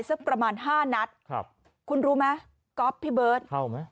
สักประมาณห้านัดครับคุณรู้ไหมก๊อฟพี่เบิร์ตเข้าไหม